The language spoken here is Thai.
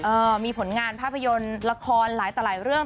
มีผลงานภาพยนตร์ละครหลายต่อหลายเรื่อง